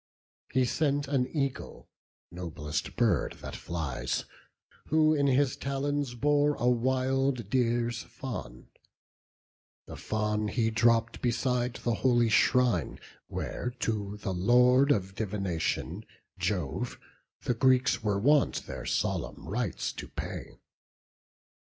He sent an eagle, noblest bird that flies, Who in his talons bore a wild deer's fawn: The fawn he dropp'd beside the holy shrine, Where to the Lord of divination, Jove, The Greeks were wont their solemn rites to pay.